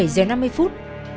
một mươi bảy giờ năm mươi phút